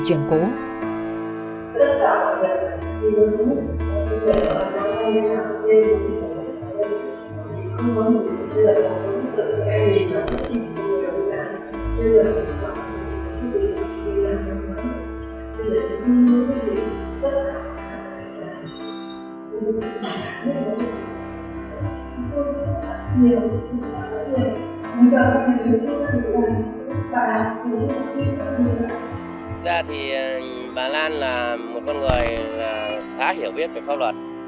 thực ra thì bà lan là một con người khá hiểu biết về pháp luật